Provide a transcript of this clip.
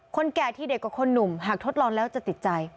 แก่ที่เด็กกว่าคนหนุ่มหากทดลองแล้วจะติดใจ